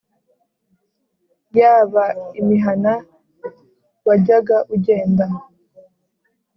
Yaba imihana wajyaga ugenda